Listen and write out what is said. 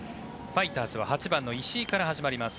ファイターズは８番の石井から始まります。